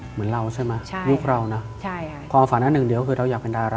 เหมือนเราใช่ไหม